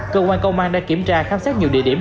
công an đã kiểm tra khám xét nhiều địa điểm